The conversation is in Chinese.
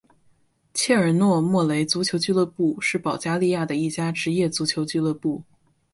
切尔诺莫雷足球俱乐部是保加利亚的一家职业足球俱乐部。